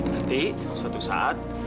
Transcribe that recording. nanti suatu saat